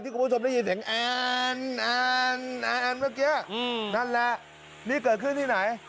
ที่คุณผู้ชมได้ยินเสียงนั่นแหละนี่เกิดขึ้นที่ไหน